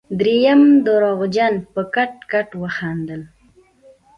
دريم درواغجن په کټ کټ وخندل.